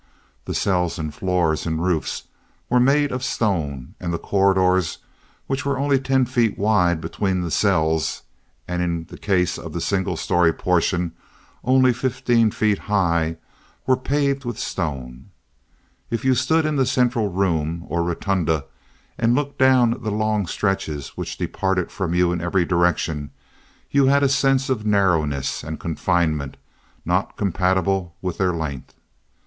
The cells and floors and roofs were made of stone, and the corridors, which were only ten feet wide between the cells, and in the case of the single story portion only fifteen feet high, were paved with stone. If you stood in the central room, or rotunda, and looked down the long stretches which departed from you in every direction, you had a sense of narrowness and confinement not compatible with their length.